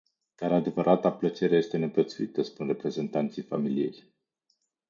Dar adevărata plăcere este neprețuită spun reprezentanții familiei.